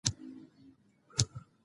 انا په یوازیتوب کې ژاړي.